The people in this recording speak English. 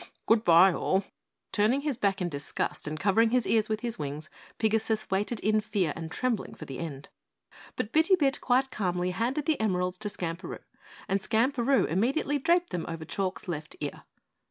"Goodbye, all." Turning his back in disgust and covering his ears with his wings, Pigasus waited in fear and trembling for the end. But Bitty Bit quite calmly handed the emeralds to Skamperoo, and Skamperoo immediately draped them over Chalk's left ear.